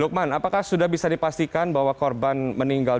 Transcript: lukman apakah sudah bisa dipastikan bahwa korban meninggal